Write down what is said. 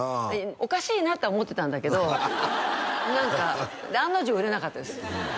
おかしいなとは思ってたんだけど何か案の定売れなかったです